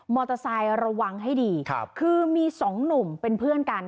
มอเตอร์ไซค์ระวังให้ดีคือมีสองหนุ่มเป็นเพื่อนกัน